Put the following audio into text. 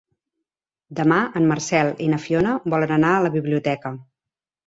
Demà en Marcel i na Fiona volen anar a la biblioteca.